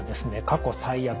「過去最悪！